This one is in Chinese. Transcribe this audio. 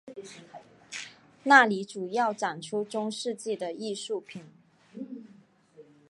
那里主要展出中世纪的艺术品。